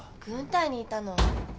軍隊にいたの？